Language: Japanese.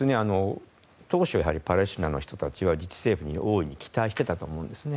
当初、パレスチナの人たちは自治政府に大いに期待してたと思うんですね。